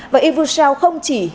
và evucel không chỉ